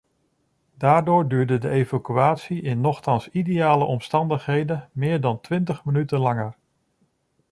Daardoor duurde de evacuatie in nochtans ideale omstandigheden meer dan twintig minuten langer.